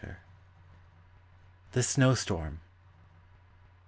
THE SNOW STORM.